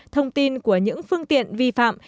thông tin của những phương tiện vi phạm